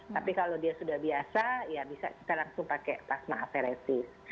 tapi kalau dia sudah biasa ya bisa kita langsung pakai plasma aferetis